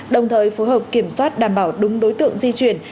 đồng thời phối hợp kiểm soát đảm bảo đúng đối tượng di chuyển